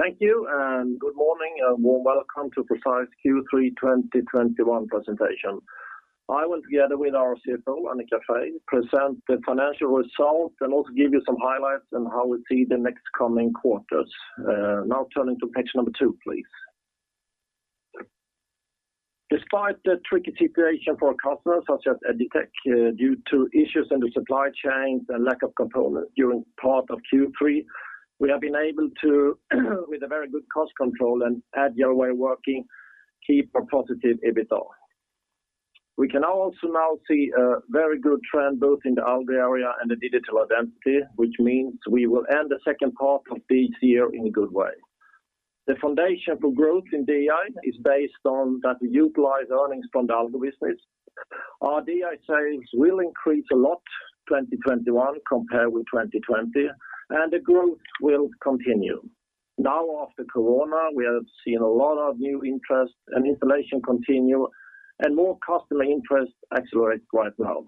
Thank you, and good morning, and warm welcome to Precise Q3 2021 presentation. I will, together with our CFO, Annika Freij, present the financial results and also give you some highlights on how we see the next coming quarters. Now turning to page number two, please. Despite the tricky situation for our customers, such as Addetech, due to issues in the supply chains and lack of components during part of Q3, we have been able to, with a very good cost control and agile way of working, keep a positive EBITDA. We can also now see a very good trend both in the Algo area and the Digital Identity, which means we will end the second half of this year in a good way. The foundation for growth in DI is based on that we utilize earnings from the Algo business. Our DI sales will increase a lot in 2021 compared with 2020, and the growth will continue. Now after Corona, we have seen a lot of new interest and installation continue, and more customer interest accelerates right now.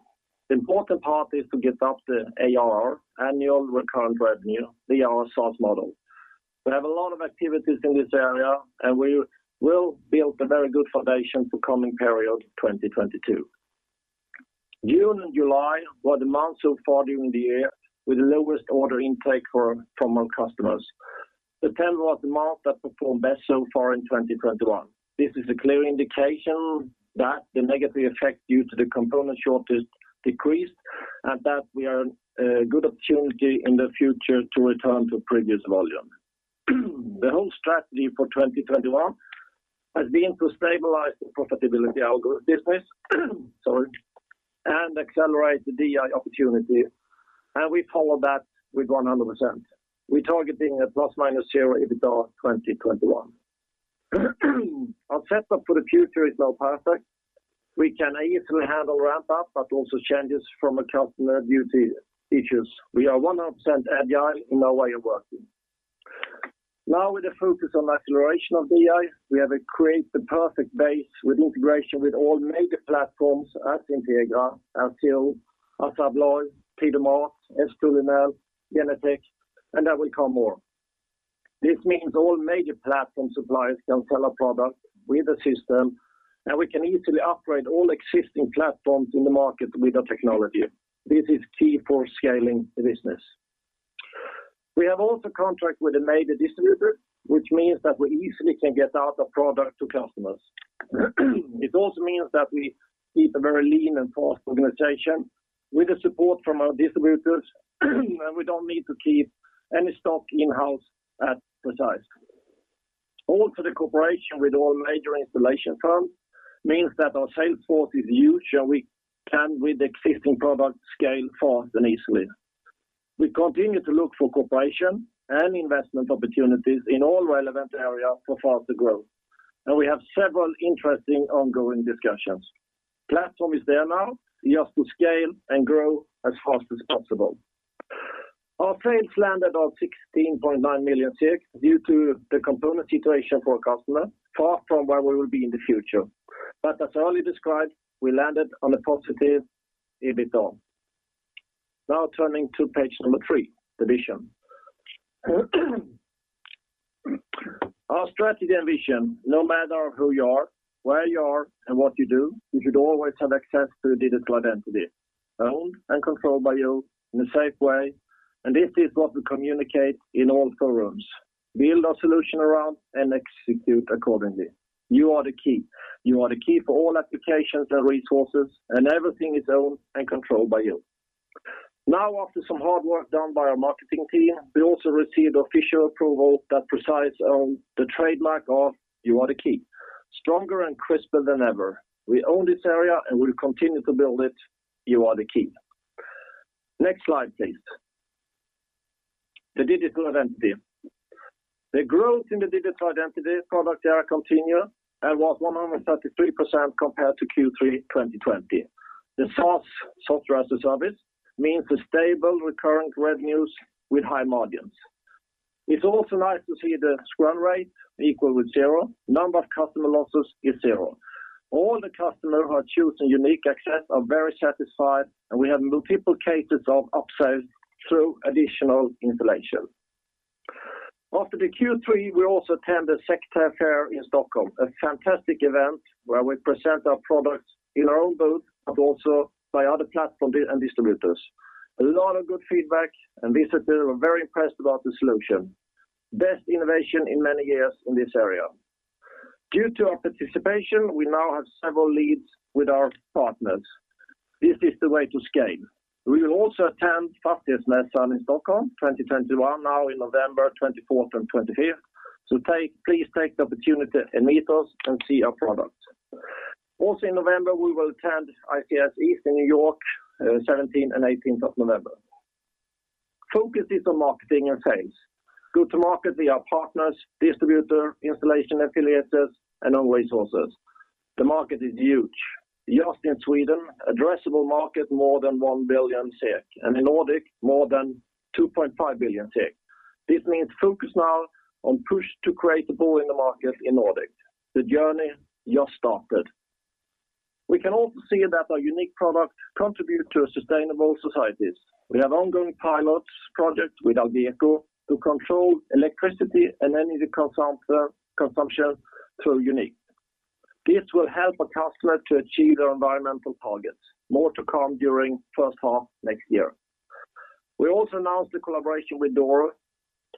The important part is to get up the ARR, annual recurring revenue, the ARR SaaS model. We have a lot of activities in this area, and we will build a very good foundation for coming period 2022. June and July were the months so far during the year with the lowest order intake from our customers. September was the month that performed best so far in 2021. This is a clear indication that the negative effect due to the component shortage decreased, and that we have a good opportunity in the future to return to previous volume. The whole strategy for 2021 has been to stabilize the profitability Algo business and accelerate the DI opportunity, and we follow that with 100%. We're targeting a ±0 EBITDA 2021. Our setup for the future is now perfect. We can easily handle ramp up, but also changes from a customer due to issues. We are 100% agile in our way of working. Now with the focus on acceleration of DI, we have created the perfect base with integration with all major platforms as Integra, Axis, ASSA ABLOY, Paxton, S2 Lenel, Genetec, and there will come more. This means all major platform suppliers can sell our product with the system, and we can easily upgrade all existing platforms in the market with our technology. This is key for scaling the business. We also have a contract with a major distributor, which means that we easily can get out a product to customers. It also means that we keep a very lean and fast organization with the support from our distributors, and we don't need to keep any stock in-house at Precise. Also, the cooperation with all major installation firms means that our sales force is huge, and we can, with existing product, scale fast and easily. We continue to look for cooperation and investment opportunities in all relevant areas for faster growth, and we have several interesting ongoing discussions. Platform is there now. We have to scale and grow as fast as possible. Our sales landed on 16.9 million due to the component situation for our customer, far from where we will be in the future. As earlier described, we landed on a positive EBITDA. Now turning to page number three, the vision. Our strategy and vision, no matter who you are, where you are, and what you do, you should always have access to a digital identity, owned and controlled by you in a safe way. This is what we communicate in all forums, build our solution around, and execute accordingly. You Are The Key. You Are The Key for all applications and resources, and everything is owned and controlled by you. Now, after some hard work done by our marketing team, we also received official approval that Precise own the trademark of You Are The Key. Stronger and crisper than ever. We own this area, and we'll continue to build it. You Are The Key. Next slide, please. The Digital Identity. The growth in the Digital Identity product area continue and was 133% compared to Q3 2020. The SaaS, Software as a Service, means the stable recurrent revenues with high margins. It's also nice to see the churn rate equal with zero. Number of customer losses is zero. All the customers who are choosing YOUNiQ access are very satisfied, and we have multiple cases of upsells through additional installations. After the Q3, we also attend the Sectech in Stockholm, a fantastic event where we present our products in our own booth, but also by other platform DI and distributors. A lot of good feedback, and visitors were very impressed about the solution. Best innovation in many years in this area. Due to our participation, we now have several leads with our partners. This is the way to scale. We will also attend Fastighetsmässan in Stockholm, 2021, now in November, 24th and 25th. Please take the opportunity and meet us and see our products. Also in November, we will attend ISC East in New York, seventeenth and eighteenth of November. Focus is on marketing and sales. Go to market via partners, distributor, installation affiliates, and own resources. The market is huge. Just in Sweden, addressable market more than 1 billion SEK, and in Nordic, more than 2.5 billion SEK. This means focus now on push to create the pull in the market in Nordic. The journey just started. We can also see that our YOUNiQ product contribute to a sustainable societies. We have ongoing pilots projects with Algeco to control electricity and energy consumption through YOUNiQ. This will help our customer to achieve their environmental targets. More to come during first half next year. We also announced the collaboration with Doro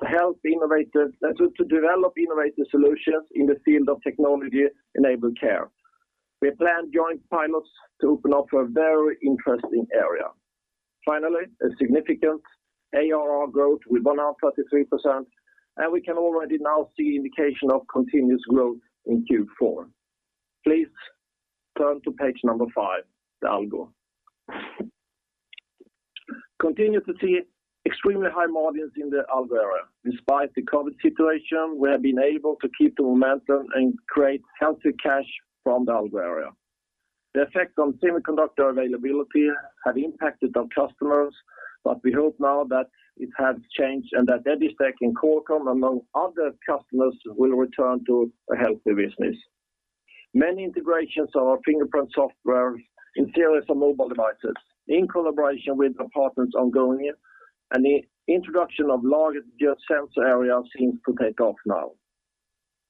to develop innovative solutions in the field of technology-enabled care. We plan joint pilots to open up a very interesting area. Finally, a significant ARR growth with 100%, and we can already now see indication of continuous growth in Q4. Please turn to page five, the Algo. Continue to see extremely high margins in the Algo area. Despite the COVID situation, we have been able to keep the momentum and create healthy cash from the Algo area. The effects on semiconductor availability have impacted our customers, but we hope now that it has changed and that Idex and Qualcomm among other customers will return to a healthy business. Many integrations of our fingerprint software in a variety of mobile devices in collaboration with partners ongoing, and the introduction of large sensor area seems to take off now.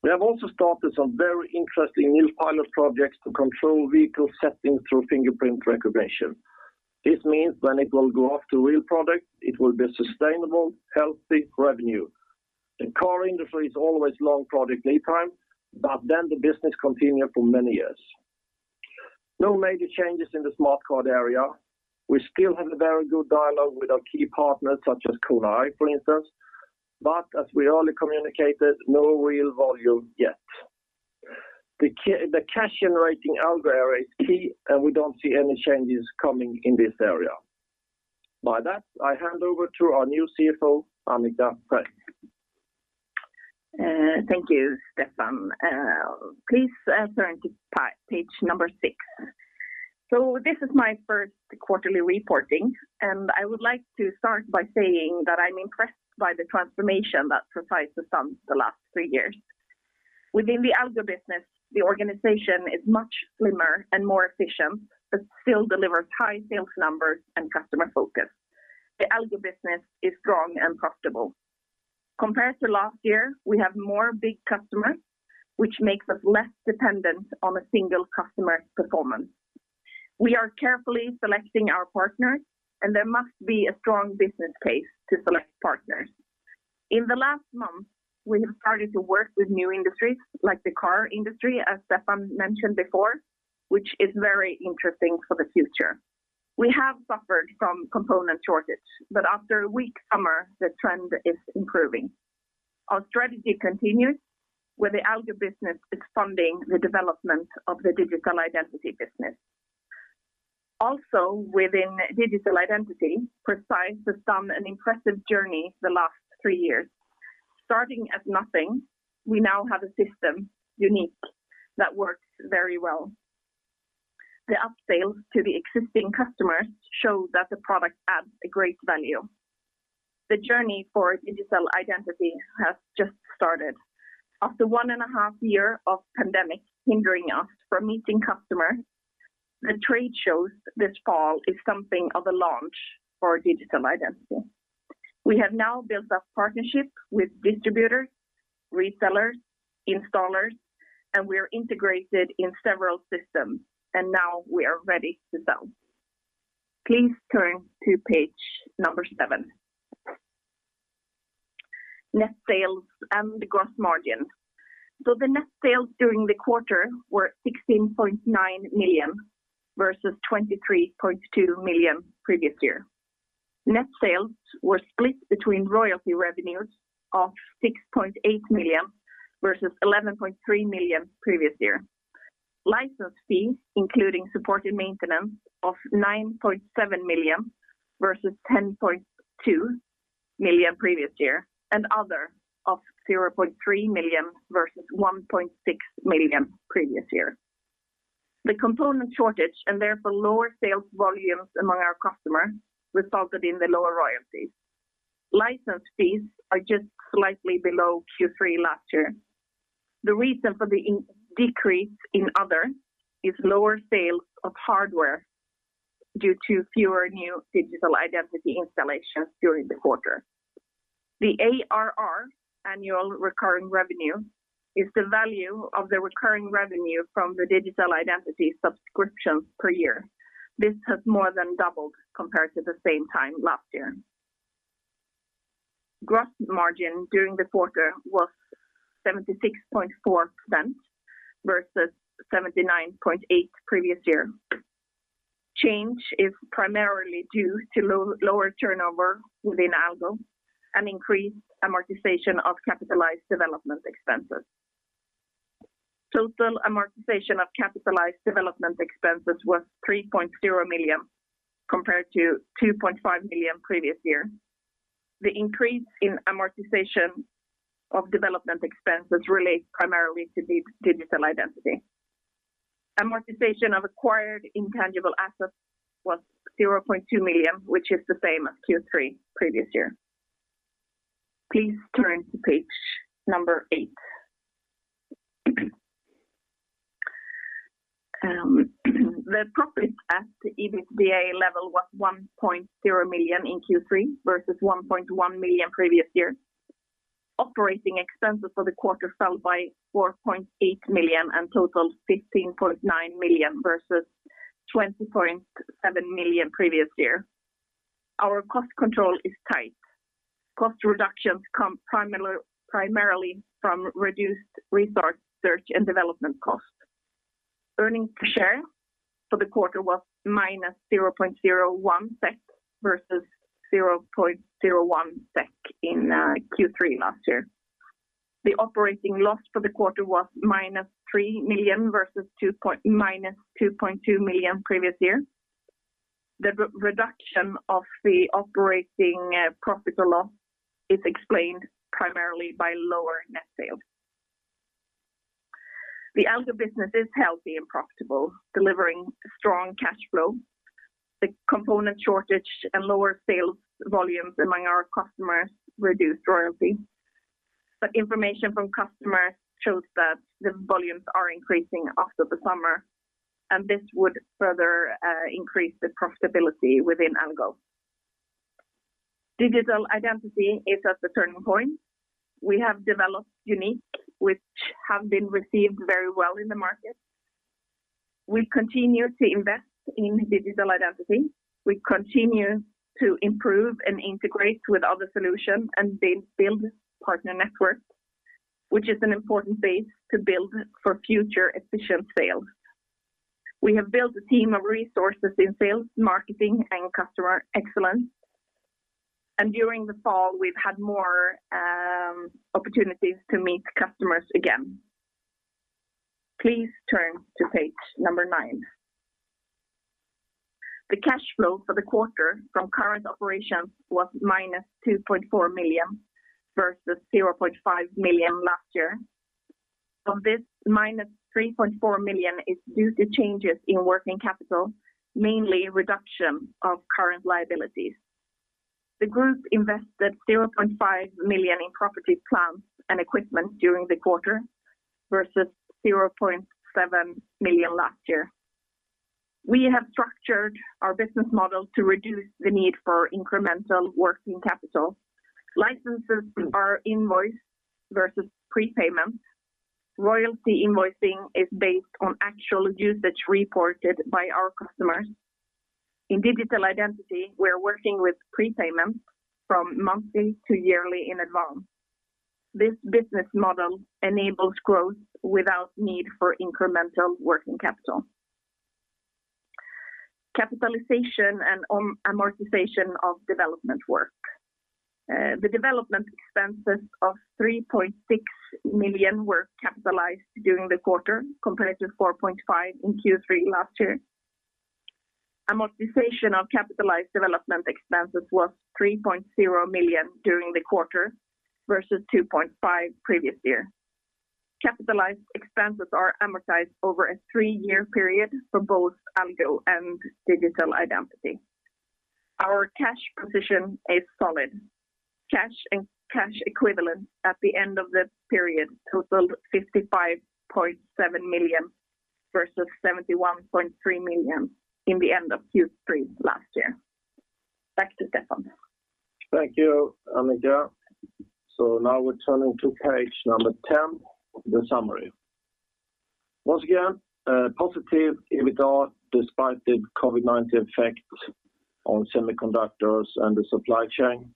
We have also started some very interesting new pilot projects to control vehicle settings through fingerprint recognition. This means when it will go off to real product, it will be sustainable, healthy revenue. The car industry is always long product lead time, but then the business continue for many years. No major changes in the smart card area. We still have a very good dialogue with our key partners such as KONA I, for instance. As we already communicated, no real volume yet. The cash generating Algo area is key, and we don't see any changes coming in this area. By that, I hand over to our new CFO, Annika Freij. Thank you, Stefan. Please turn to page number six. This is my first quarterly reporting, and I would like to start by saying that I'm impressed by the transformation that Precise has done the last three years. Within the Algo business, the organization is much slimmer and more efficient, but still delivers high sales numbers and customer focus. The Algo business is strong and profitable. Compared to last year, we have more big customers, which makes us less dependent on a single customer performance. We are carefully selecting our partners, and there must be a strong business case to select partners. In the last month, we have started to work with new industries, like the car industry, as Stefan mentioned before, which is very interesting for the future. We have suffered from component shortage, but after a weak summer, the trend is improving. Our strategy continues where the Algo business is funding the development of the Digital Identity business. Also within Digital Identity, Precise has done an impressive journey the last three years. Starting at nothing, we now have a system YOUNiQ that works very well. The upsales to the existing customers show that the product adds a great value. The journey for Digital Identity has just started. After one and a half years of pandemic hindering us from meeting customers, the trade shows this fall is something of a launch for Digital Identity. We have now built up partnerships with distributors, resellers, installers, and we are integrated in several systems, and now we are ready to sell. Please turn to page number seven. Net sales and gross margin. The net sales during the quarter were 16.9 million versus 23.2 million previous year. Net sales were split between royalty revenues of 6.8 million versus 11.3 million previous year. License fees, including supported maintenance of 9.7 million versus 10.2 million previous year, and other of 0.3 million versus 1.6 million previous year. The component shortage, and therefore lower sales volumes among our customers, resulted in the lower royalties. License fees are just slightly below Q3 last year. The reason for the decrease in other is lower sales of hardware due to fewer new Digital Identity installations during the quarter. The ARR, annual recurring revenue, is the value of the recurring revenue from the Digital Identity subscriptions per year. This has more than doubled compared to the same time last year. Gross margin during the quarter was 76.4% versus 79.8% previous year. Change is primarily due to lower turnover within Algo and increased amortization of capitalized development expenses. Total amortization of capitalized development expenses was 3.0 million compared to 2.5 million previous year. The increase in amortization of development expenses relates primarily to the Digital Identity. Amortization of acquired intangible assets was 0.2 million, which is the same as Q3 previous year. Please turn to page eight. The profit at the EBITDA level was 1.0 million in Q3 versus 1.1 million previous year. Operating expenses for the quarter fell by 4.8 million and totaled 15.9 million versus 20.7 million previous year. Our cost control is tight. Cost reductions come primarily from reduced research and development costs. Earnings per share for the quarter was -0.01 SEK versus 0.01 SEK in Q3 last year. The operating loss for the quarter was -3 million versus -2.2 million previous year. The reduction of the operating profit or loss is explained primarily by lower net sales. The Algo business is healthy and profitable, delivering strong cash flow. The component shortage and lower sales volumes among our customers reduced royalty. Information from customers shows that the volumes are increasing after the summer, and this would further increase the profitability within Algo. Digital Identity is at the turning point. We have developed YOUNiQ, which have been received very well in the market. We continue to invest in Digital Identity. We continue to improve and integrate with other solution and build partner networks, which is an important base to build for future efficient sales. We have built a team of resources in sales, marketing, and customer excellence. During the fall, we've had more opportunities to meet customers again. Please turn to page nine. The cash flow for the quarter from current operations was -2.4 million versus 0.5 million last year. From this -3.4 million is due to changes in working capital, mainly reduction of current liabilities. The group invested 0.5 million in property, plant and equipment during the quarter versus 0.7 million last year. We have structured our business model to reduce the need for incremental working capital. Licenses are invoiced versus prepayment. Royalty invoicing is based on actual usage reported by our customers. In Digital Identity, we're working with prepayment from monthly to yearly in advance. This business model enables growth without need for incremental working capital. Capitalization and amortization of development work. The development expenses of 3.6 million were capitalized during the quarter, compared to 4.5 million in Q3 last year. Amortization of capitalized development expenses was 3.0 million during the quarter versus 2.5 million previous year. Capitalized expenses are amortized over a three-year period for both Algo and Digital Identity. Our cash position is solid. Cash and cash equivalents at the end of the period totaled SEK 55.7 million versus SEK 71.3 million at the end of Q3 last year. Back to Stefan. Thank you, Annika. Now we're turning to page number 10, the summary. Once again, positive EBITDA despite the COVID-19 effect on semiconductors and the supply chain.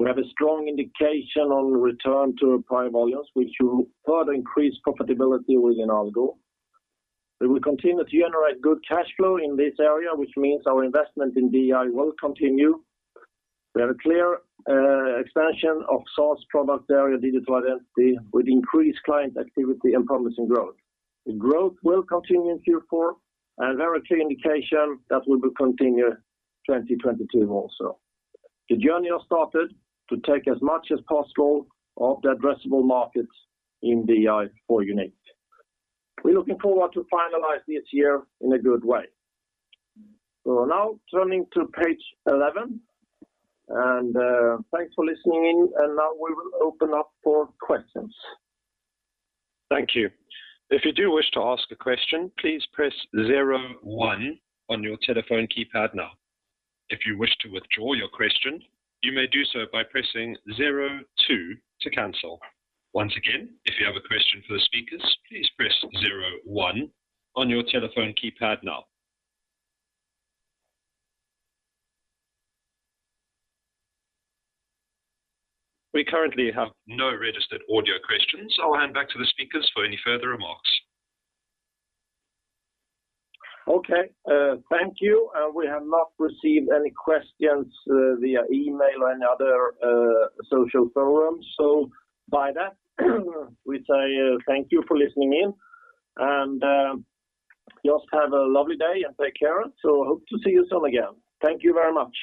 We have a strong indication on return to prior volumes, which will further increase profitability within Algo. We will continue to generate good cash flow in this area, which means our investment in DI will continue. We have a clear expansion of SaaS product area Digital Identity with increased client activity and promising growth. The growth will continue in Q4, and there are clear indication that it will continue in 2022 also. The journey has started to take as much as possible of the addressable markets in DI for YOUNiQ. We're looking forward to finalize this year in a good way. We're now turning to page 11, and thanks for listening in, and now we will open up for questions. Thank you. If you do wish to ask a question, please press zero one on your telephone keypad now. If you wish to withdraw your question, you may do so by pressing zero two to cancel. Once again, if you have a question for the speakers, please press zero one on your telephone keypad now. We currently have no registered audio questions. I'll hand back to the speakers for any further remarks. Okay, thank you. We have not received any questions via email and other social forums. By that, we say thank you for listening in and just have a lovely day and take care. Hope to see you soon again. Thank you very much.